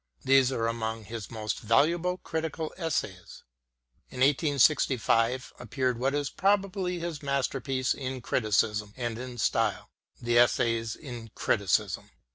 These are among his most valuable critical essays. In 1865 appeared what is probably his masterpiece in criticism and in style, the " Essays in Criticism."